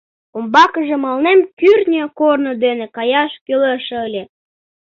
Умбакыже мыланем кӱртньӧ корно дене каяш кӱлеш ыле.